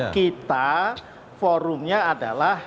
kita forumnya adalah